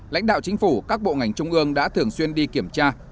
lãnh đạo chính phủ các bộ ngành trung ương đã thường xuyên đi kiểm tra